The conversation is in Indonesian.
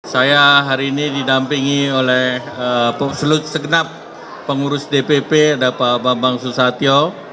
saya hari ini didampingi oleh segenap pengurus dpp ada pak bambang susatyo